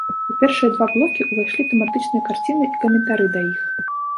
У першыя два блокі ўвайшлі тэматычныя карціны і каментары да іх.